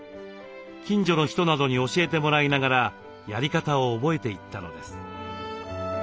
近所の人などに教えてもらいながらやり方を覚えていったのです。